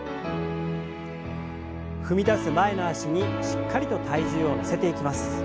踏み出す前の脚にしっかりと体重を乗せていきます。